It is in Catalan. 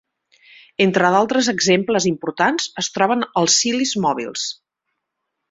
Entre d'altres exemples importants es troben els cilis mòbils.